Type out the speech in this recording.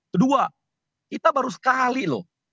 kedua kita baru sekali loh